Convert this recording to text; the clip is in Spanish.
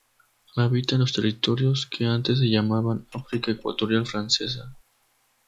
Habita en los territorios que antes se llamaban África Ecuatorial Francesa.